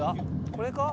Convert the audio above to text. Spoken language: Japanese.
これか？